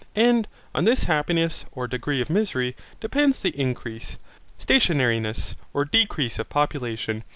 And on this happiness, or degree of misery, depends the increase, stationariness, or decrease of population.